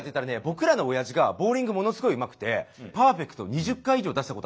僕らのおやじがボウリングものすごいうまくてパーフェクト２０回以上出したことあるんですよ。